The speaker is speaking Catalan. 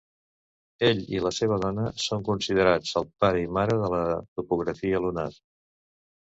Ell i la seva dona són considerats el pare i mare de la topografia lunar.